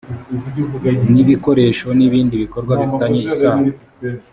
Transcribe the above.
n ibikoresho n ibindi bikorwa bifitanye isano